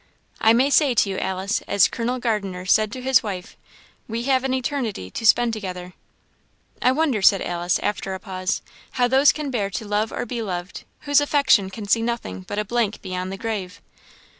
"I may say to you, Alice, as Colonel Gardiner said to his wife, 'we have an eternity to spend together!' " "I wonder," said Alice, after a pause, "how those can bear to love or be loved, whose affection can see nothing but a blank beyond the grave."